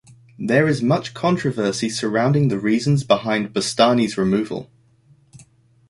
There is much controversy surrounding the reasons behind Bustani's removal.